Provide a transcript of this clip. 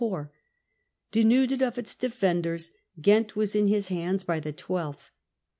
CO rps. Denuded of its defenders, Ghent was in his hands by the 12th.